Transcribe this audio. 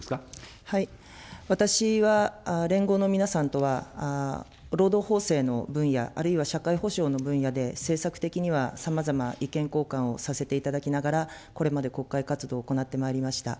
私は、連合の皆さんとは労働法制の分野、あるいは社会保障の分野で政策的にはさまざま意見交換をさせていただきながら、これまで国会活動を行ってまいりました。